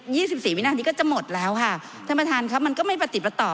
สิบสี่วินาทีก็จะหมดแล้วค่ะท่านประธานครับมันก็ไม่ประติดประต่อ